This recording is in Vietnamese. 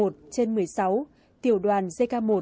trên một mươi sáu tiểu đoàn zk một